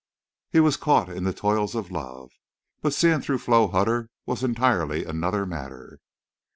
He was caught in the toils of love. But seeing through Flo Hutter was entirely another matter.